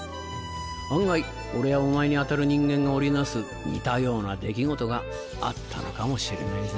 案外俺やお前に当たる人間が織り成す似たような出来事があったのかもしれねえぜ。